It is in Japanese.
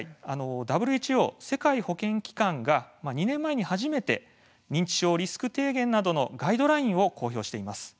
ＷＨＯ＝世界保健機関が２年前に初めて認知症リスク低減などのガイドラインを公表しています。